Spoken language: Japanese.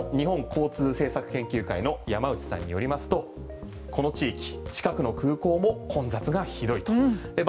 しかしこちらも日本交通政策研究会の山内さんによりますとこの地域、近くの空港も混雑がひどいと。